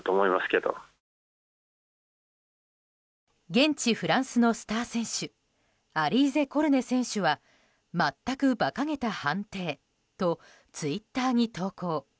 現地フランスのスター選手アリーゼ・コルネ選手は全く馬鹿げた判定とツイッターに投稿。